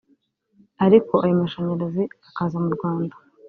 ariko ayo mashanyarazi akaza mu Rwanda